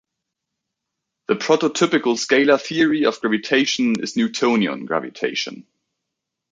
The prototypical scalar theory of gravitation is Newtonian gravitation.